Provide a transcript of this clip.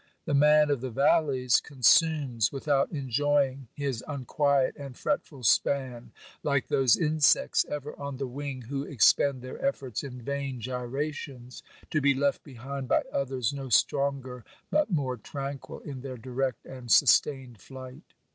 The man of the valleys consumes, without enjoying, his unquiet and fretful span, like those insects ever on the wing, who expend their efforts in vain gyrations, to be left behind by others no stronger but more tranquil in their direct and sustained flight.